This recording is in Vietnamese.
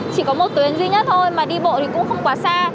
chỉ có một tuyến duy nhất thôi mà đi bộ thì cũng không quá xa